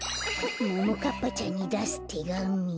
ももかっぱちゃんにだすてがみ。